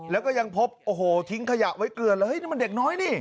แล้วก็ยังพบโอ้โหทิ้งขยะไว้เกลือเลยเฮ้ยนี่มันเด็กน้อยนี่